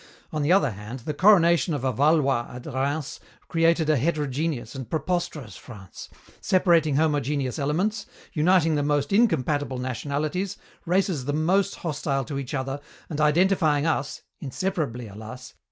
On the other hand, the coronation of a Valois at Rheims created a heterogeneous and preposterous France, separating homogeneous elements, uniting the most incompatible nationalities, races the most hostile to each other, and identifying us inseparably, alas!